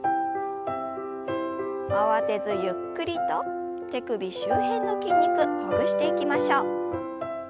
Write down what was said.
慌てずゆっくりと手首周辺の筋肉ほぐしていきましょう。